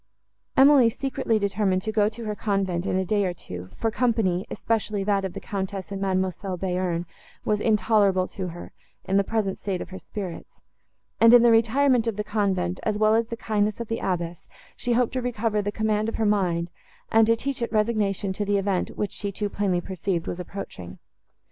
Emily secretly determined to go to her convent in a day or two; for company, especially that of the Countess and Mademoiselle Bearn, was intolerable to her, in the present state of her spirits; and, in the retirement of the convent, as well as the kindness of the abbess, she hoped to recover the command of her mind, and to teach it resignation to the event, which, she too plainly perceived, was approaching.